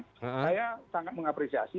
saya sangat mengapresiasi